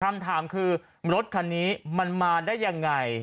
คำถามคือรถคันนี้มันมาได้ยังไง